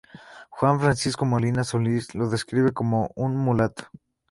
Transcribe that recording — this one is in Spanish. Juan Francisco Molina Solís lo describe como un mulato.